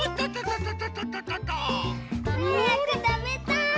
はやくたべたい！